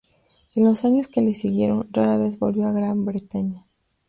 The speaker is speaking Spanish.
En los años que le siguieron, rara vez volvió a Gran Bretaña.